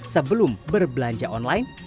sebelum berbelanja online